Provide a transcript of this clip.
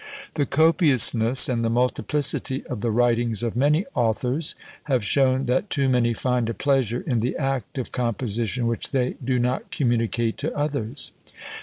The copiousness and the multiplicity of the writings of many authors have shown that too many find a pleasure in the act of composition which they do not communicate to others.